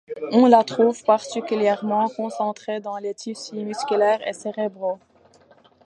On la trouve particulièrement concentrée dans les tissus musculaires et cérébraux.